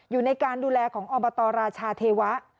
อยู่ในการดูแลของอบตราชาเทวะ